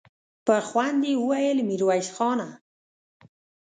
په خوند يې وويل: ميرويس خانه!